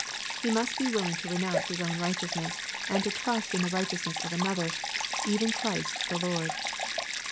He must be willing to renounce his own righteousness, and to trust in the righteousness of another, even Christ the Lord.